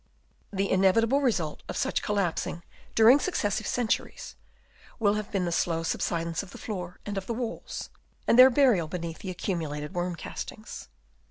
The inevitable result of such col lapsing during successive centuries, will have been the slow subsidence of the floor and of the walls, and their burial beneath the accumu lated worm castings.